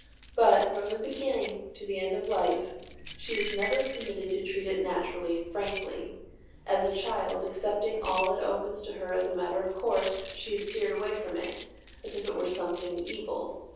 But from the beginning to the end of life she is never permitted to treat it naturally and frankly. As a child accepting all that opens to her as a matter of course, she is steered away from it as if it were something evil.